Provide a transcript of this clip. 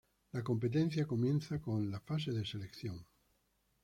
La competencia comienza con la "Fase de Selección".